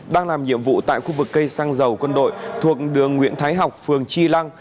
đang làm nhiệm vụ tại khu vực cây xăng dầu quân đội thuộc đường nguyễn thái học phường chi lăng